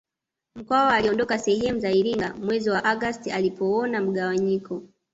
Mkwawa aliondoka sehemu za Iringa mwezi wa Agosti alipoona mgawanyiko